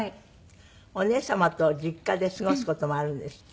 お姉様と実家で過ごす事もあるんですって？